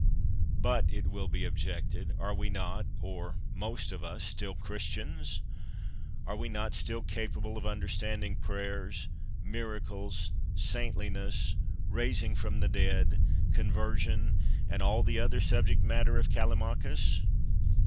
But, it will be objected, arc we not, or most of us, still Christians ? Are we not still capable of under standing prayers, miracles, saintliness, raising from the dead, " conversion," and all the other subject matter of Callimachns